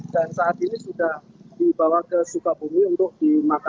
dan saat ini sudah dibawa ke sukabumi untuk diserahkan